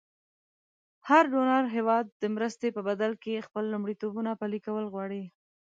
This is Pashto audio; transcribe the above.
هر ډونر هېواد د مرستې په بدل کې خپل لومړیتوبونه پلې کول غواړي.